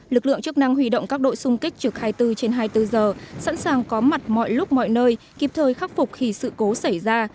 lực lượng chức năng huy động các đội xung kích trực hai mươi bốn trên hai mươi bốn giờ sẵn sàng có mặt mọi lúc mọi nơi kịp thời khắc phục khi sự cố xảy ra